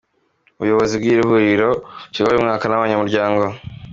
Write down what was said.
Ubuyobozi bw’iri huriro bushyirwaho buri mwaka n’abanyamuryango.